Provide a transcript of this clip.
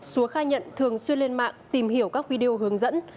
xúa khai nhận thường xuyên lên mạng tìm hiểu các video hướng dẫn